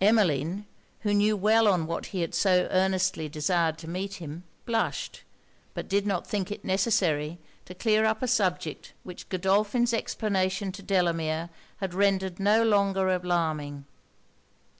Emmeline, who knew well on what he had so earnestly desired to meet him, blushed, but did not think it necessary to clear up a subject which Godolphin's explanation to Delamere had rendered no longer alarming.